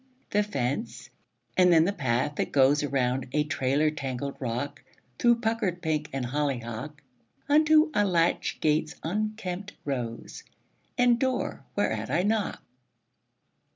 The fence; and then the path that goes Around a trailer tangled rock, Through puckered pink and hollyhock, Unto a latch gate's unkempt rose, And door whereat I knock.